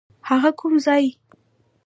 هغه کوم ځای؟